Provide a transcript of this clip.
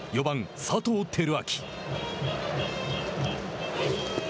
４番・佐藤輝明。